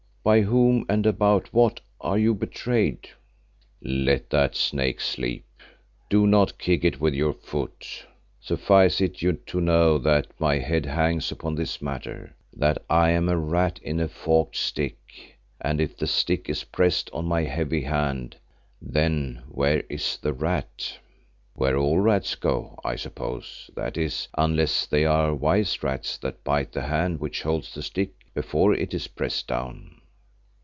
By whom and about what are you betrayed?" "Let that snake sleep. Do not kick it with your foot. Suffice it you to know that my head hangs upon this matter; that I am a rat in a forked stick, and if the stick is pressed on by a heavy hand, then where is the rat?" "Where all rats go, I suppose, that is, unless they are wise rats that bite the hand which holds the stick before it is pressed down."